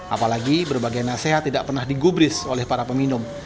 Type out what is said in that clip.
apalagi berbagai nasihat tidak pernah digubris oleh para peminum